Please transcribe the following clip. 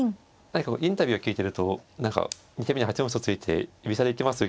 何かインタビューを聞いてると何か２手目に８四歩と突いて居飛車で行きます。